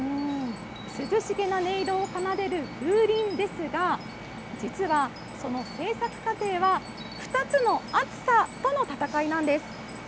涼しげな音色を奏でる風鈴ですが、実はその製作過程は２つのあつさとの戦いなんです。